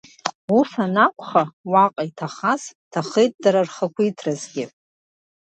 Ус анакәха, уаҟа иҭахаз иҭахеит дара рхақәиҭразгьы.